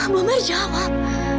bu ambar jawab